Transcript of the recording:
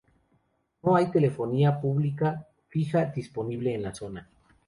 No hay telefonía pública fija disponible en la zona.